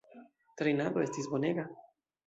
Trejnado estis bonega.